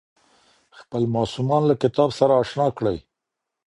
خپل ماسومان له کتاب سره اشنا کړئ.